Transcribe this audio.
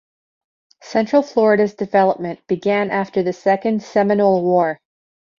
Central Florida's development began after the Second Seminole War.